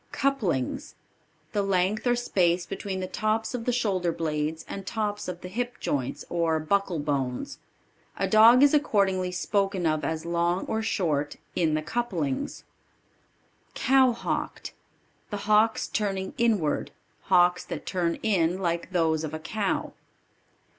Couplings. The length or space between the tops of the shoulder blades and tops of the hip joints, or buckle bones. A dog is accordingly spoken of as long or short "in the couplings." Cow hocked. The hocks turning inward; hocks that turn in, like those of a cow.